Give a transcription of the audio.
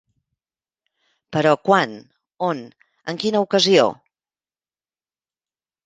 Però… quan? on? en quina ocasió?